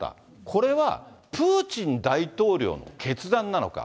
これはプーチン大統領の決断なのか。